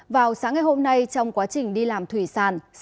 vào sáng ngày hôm nay trong quá trình đi làm thủy sàn